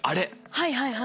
はいはいはい。